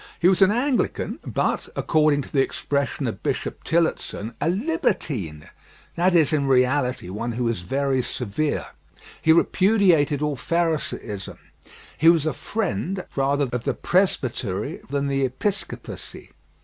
He was an Anglican, but, according to the expression of Bishop Tillotson, a "libertine" that is, in reality, one who was very severe. He repudiated all pharisaism. He was a friend rather of the Presbytery than the Episcopacy.